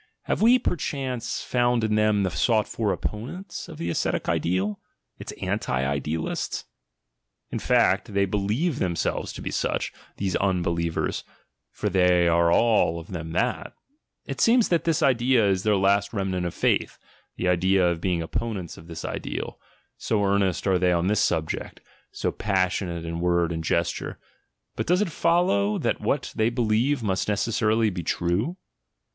Have we, perchance, found in them the sought for opponents of the ascetic ideal, its arti idcalists? In fact, they believe them selves to be such, these "unbelievers" (for they are all of them that) : it seems that this idea is their last rem nant of faith, the idea of being opponents of this ideal, so earnest are they on this subject, so passionate in word and gesture; — but does it follow diat what they believe must necessarily be trite?